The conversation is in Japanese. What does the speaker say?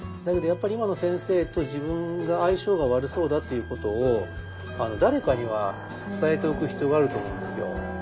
やっぱり「今の先生と自分が相性が悪そうだ」っていうことを誰かには伝えておく必要があると思うんですよ。